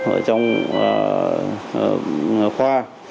ở trong khoa